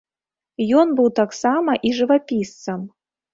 Ён быў таксама і жывапісцам.